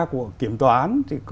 của kiểm toán